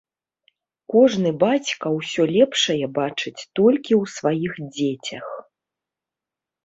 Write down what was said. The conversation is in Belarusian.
Кожны бацька ўсё лепшае бачыць толькі ў сваіх дзецях.